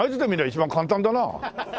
一番簡単だな。